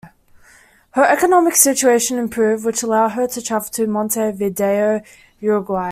Her economic situation improved, which allowed her to travel to Montevideo, Uruguay.